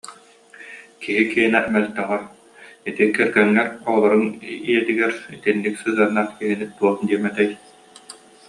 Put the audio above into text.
киһи киэнэ мөлтөҕө, ити кэргэҥҥэр, оҕолоруҥ ийэтигэр итинник сыһыаннаах киһини туох диэм этэй